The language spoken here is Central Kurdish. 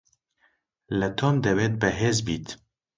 لە تۆم دەوێت بەهێز بیت.